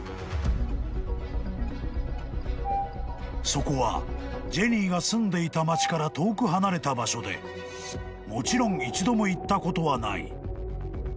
［そこはジェニーが住んでいた町から遠く離れた場所でもちろん一度も］